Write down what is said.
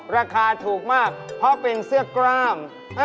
ราคาถูกมากเพราะเป็นเสื้อกล้าม